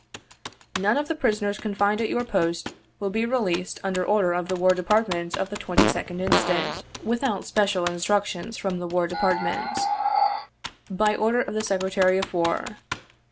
" None of the prisoners confined at your Post will be released under order of the War Department of the 22d instant, without 12 special instructions from the Department. By order of the Secretary of War.